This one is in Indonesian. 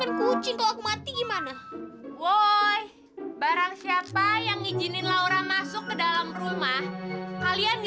hah kucing kucing aduh apaan ini bangun sama kucing